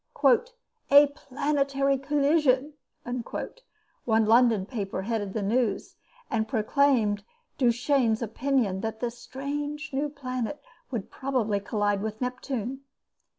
"A Planetary Collision," one London paper headed the news, and proclaimed Duchaine's opinion that this strange new planet would probably collide with Neptune.